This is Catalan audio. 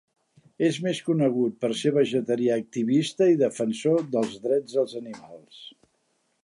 És més conegut per ser vegetarià activista i defensor dels drets dels animals.